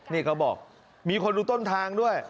นี่เขาบอกมีคนดูต้นทางด้วย